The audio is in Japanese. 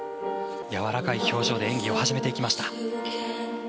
やわらかい表情で演技を始めていきました。